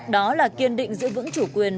đó là kiên định giữ vững chủ quyền